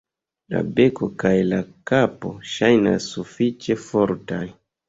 La beko kaj la kapo ŝajnas sufiĉe fortaj.